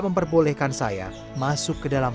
kandang di jalan pandian itu masih investigating